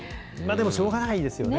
でもしょうがないですけどね。